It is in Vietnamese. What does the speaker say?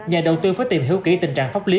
nhà đầu tư phải tìm hiểu kỹ tình trạng pháp lý